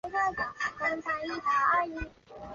少花溲疏为虎耳草科溲疏属下的一个变种。